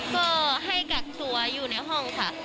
ก็ให้กักตัวอยู่ในห้องค่ะ